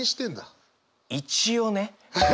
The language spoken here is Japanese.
一応ね。